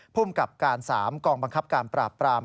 ภูมิกับการ๓กองบังคับการปราบปราม